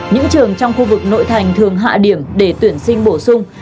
những trường trong khu vực nội thành thường hạ điểm để tuyển sinh bổ sung